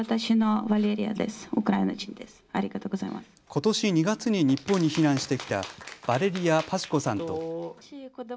ことし２月に日本に避難してきたバレリヤ・パシュコさんと。